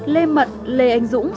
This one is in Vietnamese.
lê mận lê anh dũng